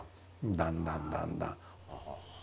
だんだんだんだん。